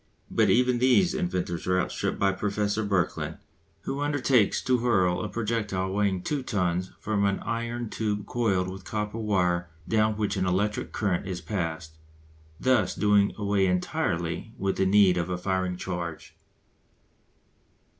But even these inventors are outstripped by Professor Birkeland, who undertakes to hurl a projectile weighing two tons from an iron tube coiled with copper wire down which an electric current is passed; thus doing away entirely with the need of a firing charge.